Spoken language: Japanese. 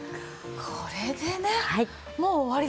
これでねもう終わりですから。